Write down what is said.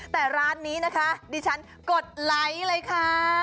แต่ร้านนี้นะคะดิฉันกดไลค์เลยค่ะ